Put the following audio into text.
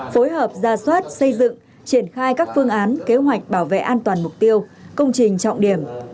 phối hợp ra soát xây dựng triển khai các phương án kế hoạch bảo vệ an toàn mục tiêu công trình trọng điểm